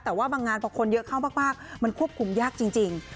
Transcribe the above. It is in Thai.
แต่ว่าบางงานพอคนเยอะเข้ามากมันควบคุมยากจริง